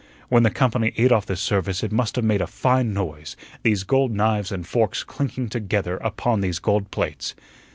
When the company ate off this service, it must have made a fine noise these gold knives and forks clinking together upon these gold plates.